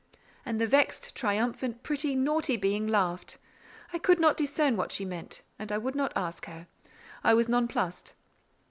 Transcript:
And the vexed, triumphant, pretty, naughty being laughed. I could not discern what she meant, and I would not ask her: I was nonplussed.